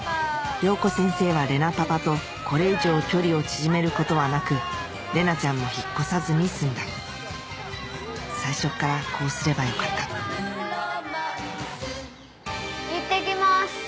洋子先生は玲奈パパとこれ以上距離を縮めることはなく玲奈ちゃんも引っ越さずに済んだ最初からこうすればよかったいってきます。